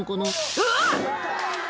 うわっ！